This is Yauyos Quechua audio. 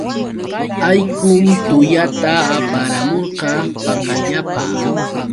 Allqun tullata aparamurqa pakallapa.